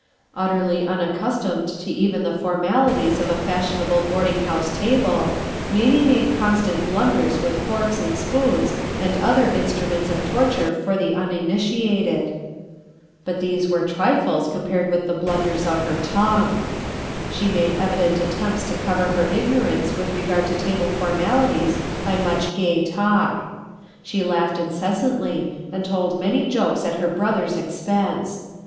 Utterly unaccustomed to even the formalities of a fashionable boar) ing house table, Mamie made constant blunde with forks and spoons and other instruments of torture for the uninitiated; but these were trifles compared with the blunders of her tongue She made evident attempts to cover her ignorance with regard to table formalities by much gay talk. She laughed incessantly, and told many jokes at her brother's expense.